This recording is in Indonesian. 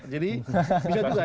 jadi bisa juga